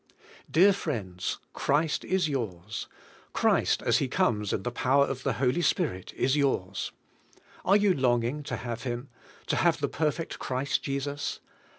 Dear friends, Christ is yours. Christ as He comes in the power of the Holy Spirit is yours. Are you longing to have Him, to have the perfect Christ Jesus?